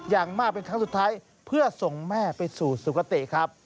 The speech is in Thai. อย่างมากเป็นครั้งสุดท้ายเพื่อส่งแม่ไปสู่สุขติครับ